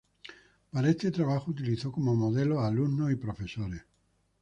Para este trabajo utilizó como modelos a alumnos y profesores.